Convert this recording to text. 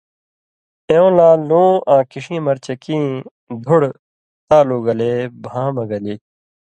ایوۡں لا لُوں آں کݜِیں مرچکیں دُھڑہۡ تالُو گلے بھاں مہ گلی